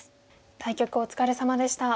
対局お疲れさまでした。